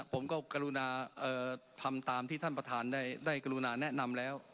กรุณาทำตามที่ท่านประธานได้กรุณาแนะนำแล้ว